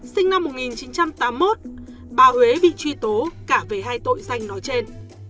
sinh năm một nghìn chín trăm tám mươi một bà huế bị truy tố cả về hai tội danh nói trên